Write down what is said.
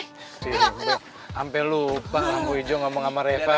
sampai lupa lampu hijau ngomong sama reva